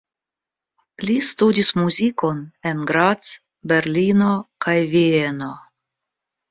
Li studis muzikon en Graz, Berlino kaj Vieno.